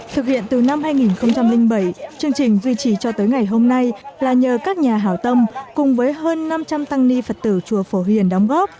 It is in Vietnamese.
thực hiện từ năm hai nghìn bảy chương trình duy trì cho tới ngày hôm nay là nhờ các nhà hào tâm cùng với hơn năm trăm linh tăng ni phật tử chùa phổ huyền đóng góp